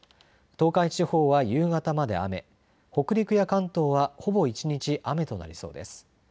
東海地方は夕方まで雨、北陸や関東はほぼ一日雨となりそうです。